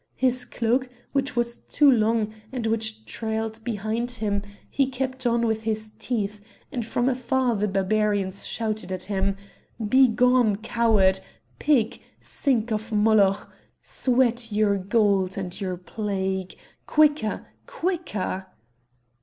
His cloak which was too long, and which trailed behind him, he kept on with his teeth, and from afar the Barbarians shouted at him, "Begone coward! pig! sink of Moloch! sweat your gold and your plague! quicker! quicker!"